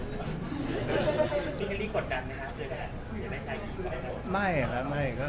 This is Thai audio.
พี่แฮลลี่กดดัดไหมครับเชื่อด้าน